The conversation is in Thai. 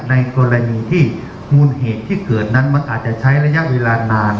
ในกรณีที่มูลเหตุที่เกิดนั้นมันอาจจะใช้ระยะเวลานาน